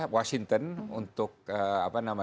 yang lebih mudah